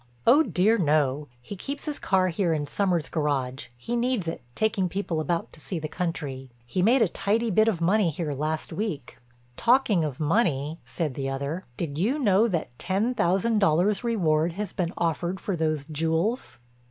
"Oh, dear no. He keeps his car here in Sommers' garage—he needs it, taking people about to see the country. He made a tidy bit of money here last week." "Talking of money," said the other, "did you know that ten thousand dollars' reward has been offered for those jewels?"